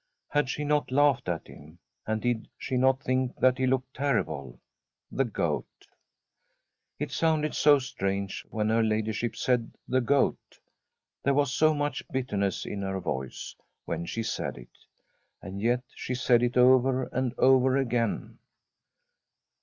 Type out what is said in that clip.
Had she not laughed at him, and did she not think that he looked terrible — ^the Goat ? It sounded so strange when her ladyship said ' the Goat.' There was so much bitterness in her voice when she said it, and yet she said it over and over again.